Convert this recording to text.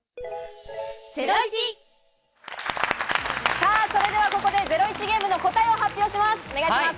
さあ、それではここでゼロイチゲームの答えを発表します。